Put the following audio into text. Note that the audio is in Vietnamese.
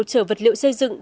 chở vật liệu xây dựng